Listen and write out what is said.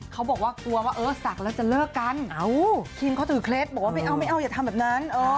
เขาบอกว่ากลัวว่าเออศักดิ์แล้วจะเลิกกันคิมเขาถือเคล็ดบอกว่าไม่เอาไม่เอาอย่าทำแบบนั้น